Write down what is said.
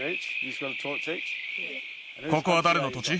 ここは誰の土地？